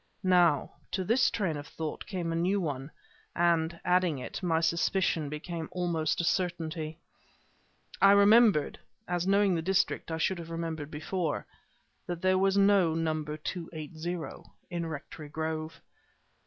Now, to this train of thought came a new one, and, adding it, my suspicion became almost a certainty. I remembered (as, knowing the district, I should have remembered before) that there was no number 280 in Rectory Grove.